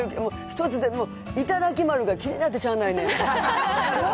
一つでも、いただきまるが気になってしゃあないねん。